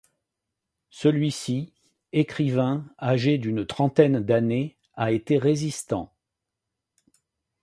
Celui-ci, écrivain, âgé d'une trentaine d'années, a été résistant.